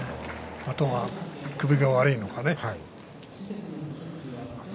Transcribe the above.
あとは首が悪いのかね。